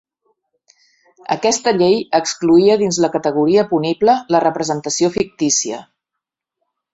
Aquesta llei excloïa dins la categoria punible la representació fictícia.